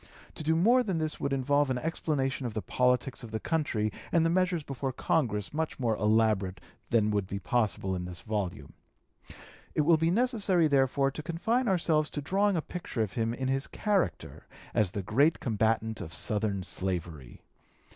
To do more than this would involve an explanation of the politics of the country and the measures before Congress much more elaborate than would be possible in this volume. It will be necessary, therefore, to confine ourselves to drawing a picture of him in his character as the great combatant of Southern slavery.